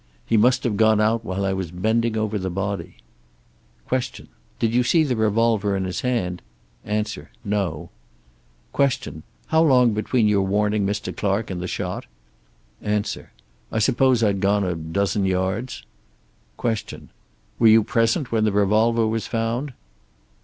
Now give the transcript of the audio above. He must have gone out while I was bending over the body." Q. "Did you see the revolver in his hand?" A. "No." Q. "How long between your warning Mr. Clark and the shot?" A. "I suppose I'd gone a dozen yards." Q. "Were you present when the revolver was found?"